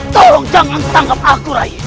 tolong jangan tangkap aku ray